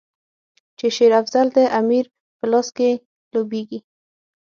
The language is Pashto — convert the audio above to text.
چې شېر افضل د امیر په لاس کې لوبیږي.